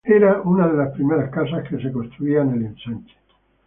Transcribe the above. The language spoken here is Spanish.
Era una de las primeras casas que se construían en el ensanche.